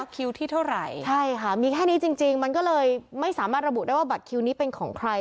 คิวที่เท่าไหร่ใช่ค่ะมีแค่นี้จริงมันก็เลยไม่สามารถระบุได้ว่าบัตรคิวนี้เป็นของใคร